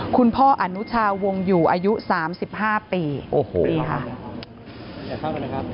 คุณพ่ออนุชาวงอยู่อายุ๓๕ปีปีค่ะ